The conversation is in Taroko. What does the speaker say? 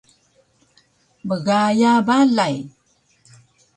mgaya balay